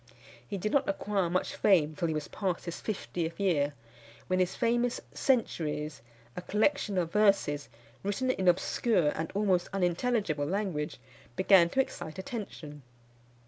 He did not acquire much fame till he was past his fiftieth year, when his famous Centuries, a collection of verses, written in obscure and almost unintelligible language, began to excite attention.